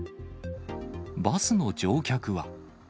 バスの乗客は。